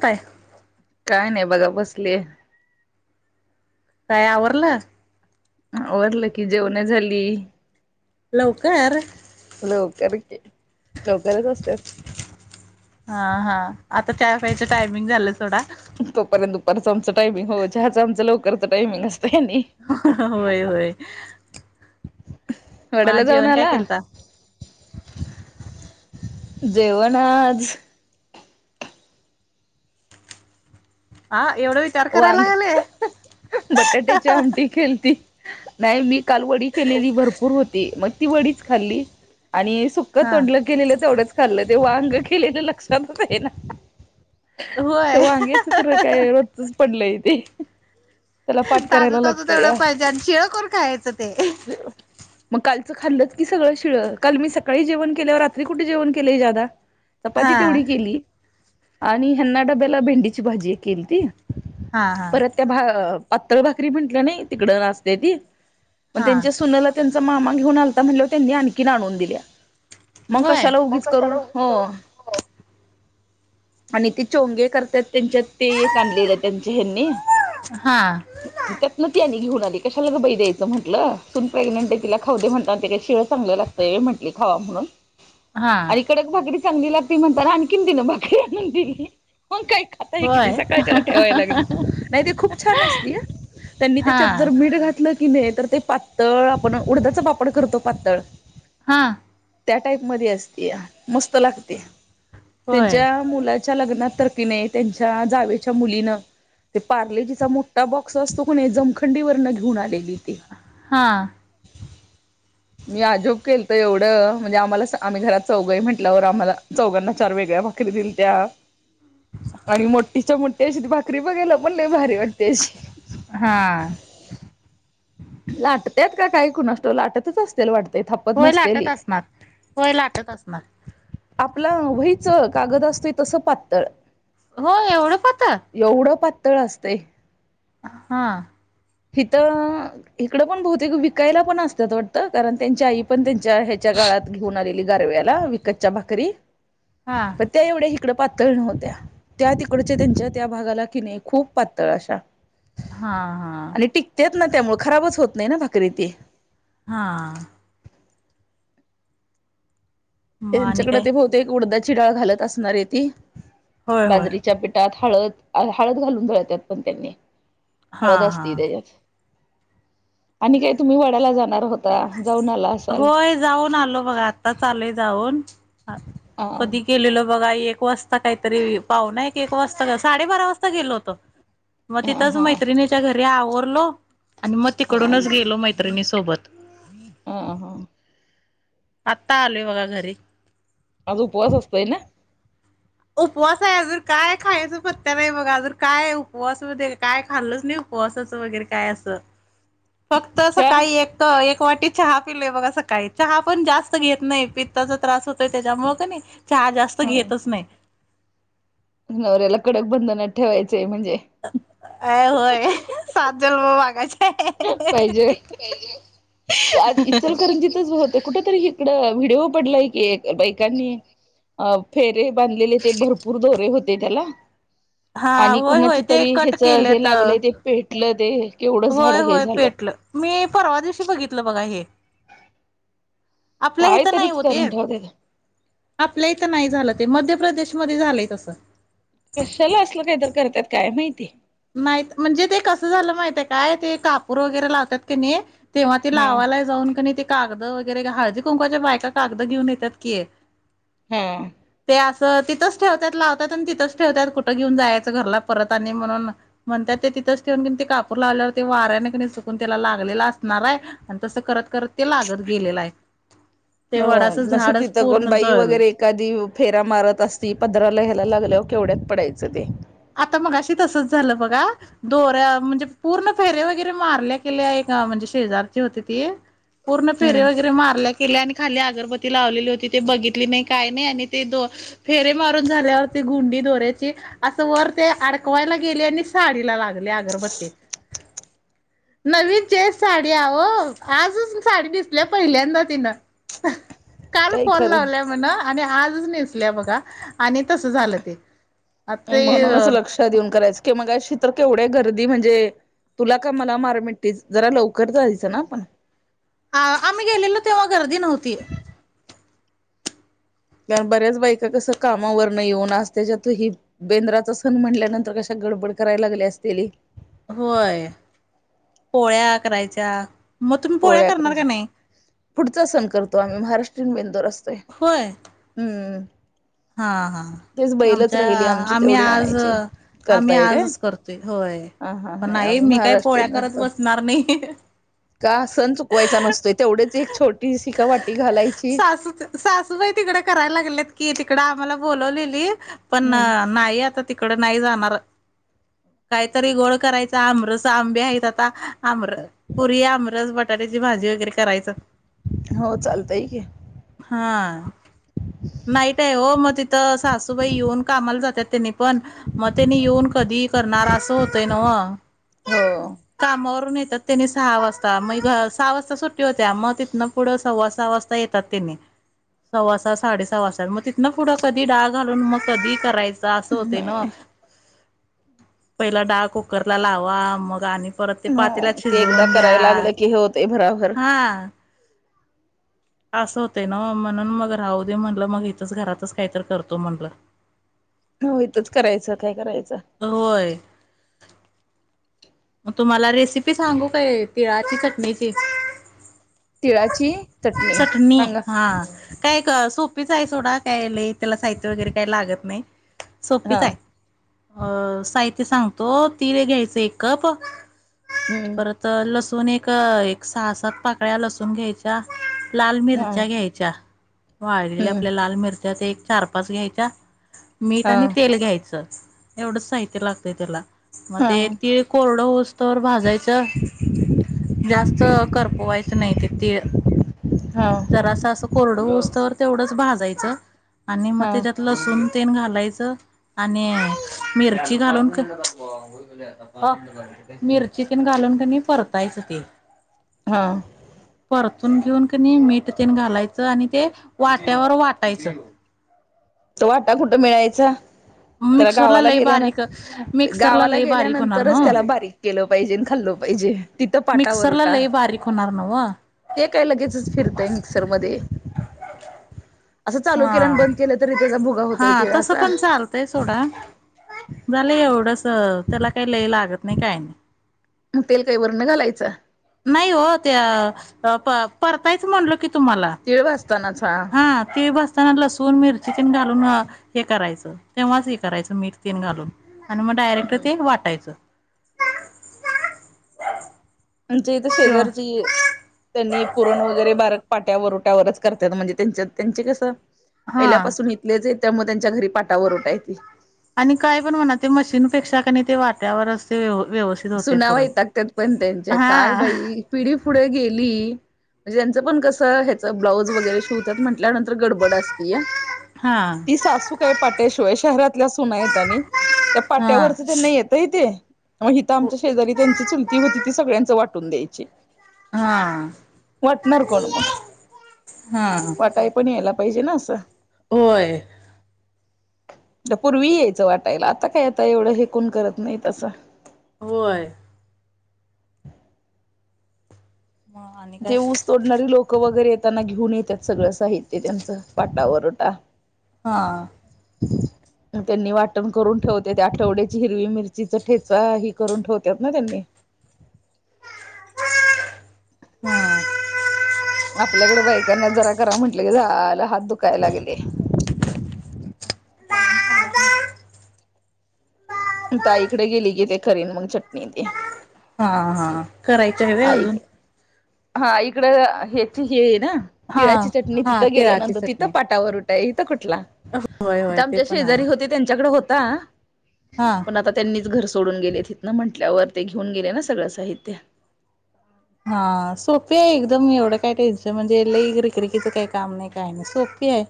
काय काय नाही बघा बसलीये काय आवरल? आवरल की जेवण झाली. लवकर लवकर कि लवकरच असत्यात. हा हा आता त्या चाय प्यायच टायमिंग झाल सोडा तोपर्यंत दुपारच आमच टायमिंग हो चहाच आमचा लवकरच टायमिंग असत होय होय. वडाला मग जाऊन जेवण काय आला? केलता जेवण आज आ वांग बटाट्याची आमटी केलती. नाही मी काल वडी केलेली भरपूर होती मग ती वडीच खाल्ली. आणि सुक हा तोंडल केलेलं तेवढंच खाल्लं ते वांग केलेलं लक्षातच ये ना ते होय वांगेच तर काय रोजचच पडलय ते त्याला पाठ ताज करायला ताज लागतं या तेवढंच पाहिजे आन शिळं कोण खायचं ते? मग कालच खाल्लच की सगळ शिळं, काल मी सकाळी जेवण केल्यावर रात्रीं कुठे जेवणं केलंय ज्यादा हा चपाती तेवढी केली आणि ह्यांना डब्याला भेंडीची भाजी केलती. हा हा परत त्या भा पातळ भाकरी म्हटलं नाही तिकडं असत्या ते मग हा त्यांच्या सुनला त्यांचा मामा घेऊन आलता, म्हणल्यावर त्यांनी आणखीन आणून दिल्या. मग होय कशाला उगीच करू हो आणि ते चोंगे करतात त्यांच्यात ते एक आणलेले. त्यांच्या ह्यांनी हा त्यातन ते आणी घेऊन आले. ते कशाला ग बाई द्यायचं म्हटलं सून प्रेग्नेंट आहे तिला खाऊ दे म्हणता, ते काय शिळ चांगल लागतं म्हटलं खावा म्हणून हा आणि कडक भाकरी चांगली लागतेय म्हणता न आणखीन तीन भाकरी आणून दिली. कोण काय खाता किे होय सकाळीच्याला त्या लागली नाही ते खुप छान असती हं त्यांनी हा त्याच्यात जर मीठ घातलं लं की नाही तर ते पातळ आपण उडदाच पापड करतो पातळ हां. त्या टाईपमध्ये असतीया मस्त लागते. होय त्यांच्या मुला च्या लग्नात तर कीने त्यांच्या जावे च्या मुलींन ते पारलेजी चा मोठ्ठा बॉक्स असतो की नई जमखंडी वरन घेऊन आले. हां. [inaudible] मी आजोब केलत एवढं म्हंजे आम्हाला स आम्ही घरात चौघ आय म्हटल्यावर आम्हाला चौघांना चार वेगळ्या भाक करी दिलंत्या आणि मोठ्ठीच्या मोठ्ठी अशी ती भाकरी बघायला पण लई भारी वाटते अशी. हा लाटत्यात? क काय कुणास ठाउ लाटतच असत्याल वाटतं. ते थापत होय नसते लाटत ली असणार होय लाटत असणार आपला वही चा कागद असतोय तसं पातळ! हो एवढं पातळ? उतळ असंतय. हां. हिथ अ हिकडं पण बहुतेक विकायला पण, असत्यात वाटतं कारण त्यांची आई पण त्यां ह्यांच्या गळात घेऊन आलेली गारव्याला विकतच्या भाकरी, हा पण त्या एवढ्या हिक तिकड पातळ नव्हत्या, त्या तिकडच्या त्यांच्या त्या भागाला की नाही खूप पातळ अशा हां हां. आणि टिकत्यात ना त्यामुळे खराबच होत नाही ना भाकरी ती. हां. मग आणि त्यांच्याकडे काय ते बहुतेक उडदाची डाळ घालत असणारंय ती होय होय बाजरीच्या पिठात. हळद हळद घालून दळत्यात पण त्यांनी हा हळद हा असती त्यांच्यात. आणि काय तुम्ही वडाला जाणार हो होय जाऊन आलो बघ आताच आलोय जाऊन. हां हा कधी केलेल बघा एक एक वाजता कांहीं तरी पावन एक एक वाजता साडेबारा वाजता गेलो होतो. मग हा तिथंच हा मैत्रिणीच्या घरी आवरलो आणि मगं हा तिकडूनच गेलो मैत्रिणी सोबत. हा हा आत्ता आलोय बघा घरी. आज उपवास असतोय ना. उपवास आहे, अजून काय खायचं पत्त नाही बघा अज काय आहे, उपवास काय खाल्लच नाही. हो असच वगैरे काय असं फक्त का सकाळी एक एक. वाटी चहा पिलेय बघा स काळी चहा पण जास्त घेत नाही पित्ताचा त्रास होतोय, त्याच्यामु क नाही. चहा जास्त ह घेतच नाही. नवऱ्याला कडग बंद न ठेवायचं. अ होय सात जन म मागायच. पाहिजे आज इचलकरंजीतच होते, कुठ तरी इकडं. व्हिडिओ पडलाय की, बाकांनी आ फेरे बांधलेले ते भरपूर दोरे होते. ते त्याला हा आणि होय कुणा होय ते तरी कट ह्याच केले हे तर लागलं ते पेटल. होय होय पेटलं मी परवा दिवशी बघितलं बघा हे. आपल्या काय इथं नाही तरीच होते, करून ठेवत्यात आपल्या इथं नाही झालं ते म प्रदेशमध्ये झालंय तसं. कशाला असलं काहीत करतात काय माहिती. नाहीत म्हणजे ते कसं झालं माहिते काय ते कापूर वगैरे लावतात क नाही. तेव्हा ती हा लावायला जाऊन क ते कागद व जरा हळदी, कुंकाच्या बायका कागद घेऊन येतात की. हां- तर तिथंच ठेवत्यात लावत्यात आणि तिथंच ठेवत्यात कुठं घेऊन जायचं घरला परत आणि म्हणून. म्हणत्यात ते तिथंच ठेवून घेवून ते कापूर लावल्यावर ते वाऱ्याने कणी सुकून त्याला लागलेला असणार आहे, आणि तसं करत करत ते लागत गेलेलाय हाय. हो नशिब तिथं कोण बाई वगैरे एखादी फेरा मारत असती पदराला ह्याला लागल्याव. केवढ्यात पडायचं ते. आता मगाशी तसचं झालं बघा दोऱ्या म्हणजे पूर्ण फेऱ्या वगैरे मारल्या केल्या हां म्हणजे शेजारीच होती, ती पुर्ण फेरे हम्म वगैरे मारल्या. केल्या आणि खाली अगरबती लावलेली होती, ते बघितली नाही काय नाही आणि ते दो फेरे मारून झाल्यावरती गुंडी दोर्याची अस- वर ते आडकवायला गेले आणि साडीला लागले अगरबत्तीत. नवीन चेस साडी आहो आजच साडी नेसल्या पहिल्यांदा तिनं. [unintelligible] काल काही फोन खरं लावलाय म्हणा आणि आजच नेसल्या बघा आणि तसं झालं ते. आता ताई म्हणूनच ते लक्ष देऊन करायचं की, मगशी तर- केवढ्या गर्दी म्हणजे तुला का मला मारामट्टीच जरा लवकर जायचं ना आपण. हां आम्ही गेलेलो तेव्हा गर्दी नव्हती. कारण बऱ्याच बायका कसं कामावरन येऊन आज त्याच्यात ही बेंदराचा सण म्हटल्यानंतर कशा गडबड कराय लागलेय असतेली होय पोळ्या करायच्या मग तुम्ही पोळ्या करणार का करायच्या नाही? पुढचा सण करतो आम्ही महाराष्ट्रीन बेंदूर असतोय. हुं हां हां आमच्या राहिली आमची आम्ही तेवढी आज. आणायची आम्ही करताय काय आजच करतोय होय हा हा पण नाही आम्ही मी काय पोळ्या महाराष्ट्रीयन करत करतो बसणार नाही. का सण चुकवायचा नसतोय तेवढेच एक छो- सासूच सासूबाई तिकडे करायला लागलेत की तिकड आम्हाला बोललेली पण हम्म नाही आता. तिकड नाही जाणार काहीतरी गोड करायच आंबरस आंबे आहेत आता. आमर पुरी आमरस बटाट्याची भाजी वगैरे करायचं. हों चालतय की. हा नाईट ओ मग तिथं सासूबाई येऊन कामाला जात्यात. त्यांनी पण मग त्यांनी येऊन कधी करणार असं होतय नव्ह. हो कामावरन येत्यात त्यांनी सहा वाजता मग सहा वाजता सुट्टी होत्या मग तिथन पुढ सव्वा सहा वाजता येतात त्यांनी सव्वा सहा साडेसहा वाजत्यात मग तिथंन पुढ कधी डाळ घालून मग कधी कराय च अस नाही होतयनव्ह नाही पहिला डाळ कुकरला, लावा मग आणि परत ते हो पातेल्यात ते एकदा शिजवून घ्या करायला लागलं की हे होतय भराभर हां असं होतंय नव्ह म्हणून मगं राहू दे म्हणलं मग इथच घरातच काहीत करतो म्हटलं हों इथच करायचं काय करायचं होय मग तुम्हाला रेसिपी सांगू काय तिळाची चटणीची? तिळाची चटणी हां काय एक सोपीच आहे सोडा काय त्याला साहित्य वगैरे काय लाग येत नायी सोपीच हा हाय अं साहित्य सांगतो तिळ घ्यायचं एक कप हम्म परत लसूण एक- एक सहा, सात पाकळ्या लसूण घ्यायच्या लाल हा मिरच्या घ्यायच्या वाळलेल्या हम्म आपल्या लाल मिरच्या ते एक चार, पाच घ्यायच्या मीठ हा आणि तेल घ्यायचं एवढं साहित्य लागतंय त्याला मग हा ते तीळ कोरडं होस तर भाजायचं जास्त करपवायचं नाही तिळ हा जरां असं कोरडत तर तेवढंच भाजायचं आणि मग हा त्याच्यात लसून तेन घालायचं आणि मिरची घालून अ मिरची तन घालून कनी परतायचं ते हा परतून घेऊन क मीठ घालायचं आणि ते वाट्यावर वाटायचं तो वाटा कुठं मिळायचा त्या मिक्सरला गावाला लई गेल्यान बारीक मिक्सरला गावाला लई बारीक होणार गेल्यानंतरच त्याला नव्ह बारीक केलं पाहिजे हल्लो पाहिजे तिथं मिक्सरला पाटावररटा लई बारीक होणार नव्ह ते काय लगेचच फिरतय मिक्सर मध्ये असं चालू केलं हा आणि बंद केलं तरी त्याचा भुगा हा होतोय तसं तिळाचा पण चालतंय सोडा झालं एवढंस त्याला काही लय लागत नाही काही नाही मग तेल काही वर न घालायचं नाही हो त्या परतायच म्हणलो की तुम्हाला तिळ भाजतानाच हा ते बसताना लसूण मिरची प घालून हे करायचं तेव्हाच हे करायचं मीठ तीन घालून आणि मग डायरेक्ट ते वाटायच म्हणजे इथ किंवा शेजारची त्यांनी पुरण वगैरे बारक पाट्यावर पाट्यावरच करत्यात त्यांचे कस हा पहिल्या पासून इथलेच आहेत त्यामुळे त्यांच्या घरी पाटा वरोटा येते. आणि काय पण म्हणा ते मशीनपेक्षा का नाही ते वाट्यावर असते व्यव व्यवस्थित होते सुना पुरण वैतागत्यात पण त्यांच्या काय हा बाई पिढी पुढे गेली म्हणे त्यांच पण कस ब्लाऊज वगैरे शिवतात म्हटल्यानंतर गडबड असती हा ती सासू काय पाट्याशिवाय शहरातल्या असूय आणि त्या हा पाट्यावरच त्यां नाही येतय ते मग हिथं आमच्या शेजारी त्यांची चुलती होती ती सगळ्यांच वाटून द्यायची हा वाटणार कोण मग हा वाटाय पण यायला पाहिजे ना असं होय पूर्वी यायचं वाटायला आता काय आता एवढं हे कोण करत नाही तसं होय मग आणि काय ते ऊस तोडणारी लोक वगैरेे आहेत त्यांना घेऊन येतात सगळं साहित्य त्यांचं पाटा वरवंटा ह त्यांनी वाटण करून ठेवते त्या आठवड्याची हिरवी मिरचीचा ठेचा हे करून ठेवतात ना त्यांनी [inaudible] हा. आपल्याकडे बायकांना जरा करा म्हटलं की झाल हात दुखायला लागले ताईकडे गेली कि ते करीन मग चटणी ती हा हा करायच हवे अजून हा इकड ह्याची हे ना हा तिळाची चटणी हा तिथं तिळाची गेल्यानंतर तिथं चटणी पाटावर इथ कुठला होय इथ होय ते आमच्या पण आहे शेजारी होते त्यांच्याकडे होता हा पण आता त्यांनीच घर सोडून गेले तिथ ना म्हंटल्यावर ते घेऊन गेले ना सगळं साहित्य हा, सोपी आहे एकदम एवढं काय त्यांचं म्हणजे लय रिकरकीचं काही काम नाही काय नाही सोप पी आहे.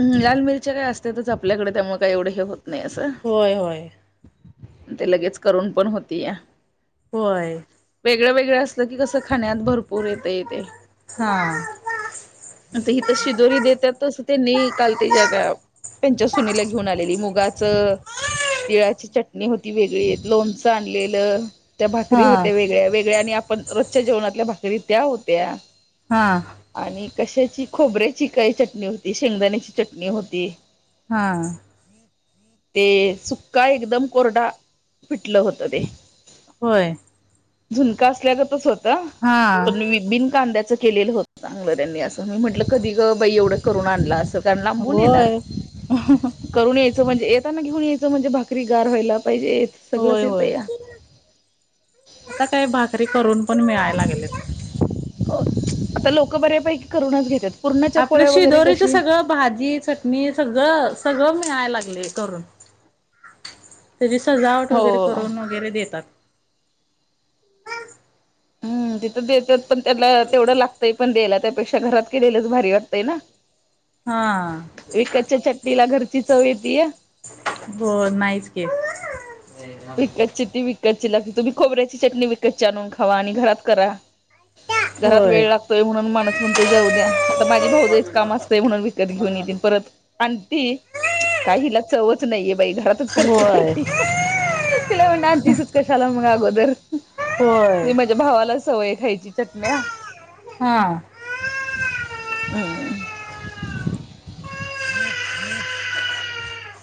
हम्म लाल मिरच्या काय असतातच आपल्याकडे त्यामुळे काय एवढे हे होत नाही असं होय होय. ते लगेच करून पण होतीया होय वेगळं वेगळं असलं की कसं खाण्यात भरपूर येतं येते हा आता ही त शिदोरी देतात तसं मी काल त्यांच्या त्या त्यांच्या सुनेला घेऊन आलेली मुगाच तिळाची चटणी होती वेगळी, एक लोणच आणलेलं त्या भाकरी हा होत्या वेगळ्या वेगळ्या आणि आपण रो जच्या जेवणातल्या भाकरी त्या होत्या हा. आणि कशाची खोबऱ्याची काही चटणी होती, शेंगदाण्याची चटणी होती हा. ते सुक्का एकदम कोरडा पिटले होत ते होय. झुणका असल्यागतच होत हा पण बिन कांद्याच केलेलं होतं चांगलं त्यांनी, असं मी म्हटलं कधी ग बाई एवढं करून आणलं असलं त्या लांबून येणार होय करून यायचं म्हणजे येताना घेऊन यायचं म्हणजे भाकरी गार व्हायला पाहिजे होय सगळंच येतं होय. या आता काय भाकरी करून पण मिळाय लागल्यात हो, आता लोक बऱ्यापैकी करूनच घेत्यात. आपलं शिदोरीचं सगळं भाजी चटणी सगळं सगळं मिळाय लागलय करून त्यांची सजावट हो वगैरे करून वगैरे देतात हम्म तिथं देतात पण त्याला तेवढं लागतंय पण द्यायला त्यापेक्षा घरात केलेलंच भारी वाटतय ना हा. विकतच्या चटणीला घरची चव येते बर नाहीच की विकतची ती विकतची लागते तुम्ही खोबऱ्याची चटणी विकतची आणून खावा आणि घरात करा घरात होय वेळ लागतोय म्हणून माणूस म्हणते जाऊ द्या आता माझे भावजय चे काम असते म्हणून विकत घेऊन येती परत आणती काय हिला चवच नाहीये बाई घरातच करते होय करते तिला म्हणते आणतीसच कशाल मग अगोदर होय मी माझ्या भावाला सवय खायची चटण्या हा. हम्म. [unintelligible]